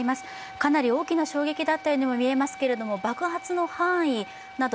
かなり大きな衝撃だったようにもみえますけど爆発の範囲など